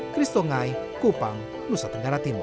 kristongai kupang nusa tenggara timur